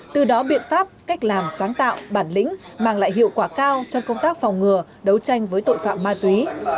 từ đó biện pháp cách làm sáng tạo bản lĩnh mang lại hiệu quả cao trong công tác phòng ngừa đấu tranh với tội phạm ma túy